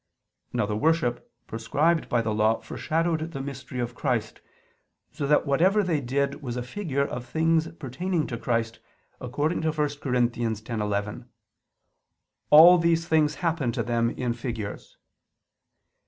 Now the worship prescribed by the Law foreshadowed the mystery of Christ: so that whatever they did was a figure of things pertaining to Christ, according to 1 Cor. 10:11: "All these things happened to them in figures."